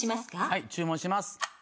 はい注文します。